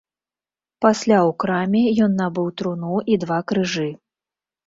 Пасля ў краме ён набыў труну і два крыжы.